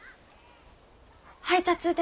配達で。